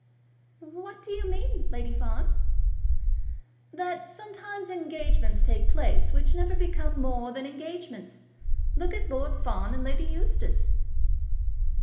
"What do you mean, Lady Fawn?" "That sometimes engagements take place which never become more than engagements. Look at Lord Fawn and Lady Eustace."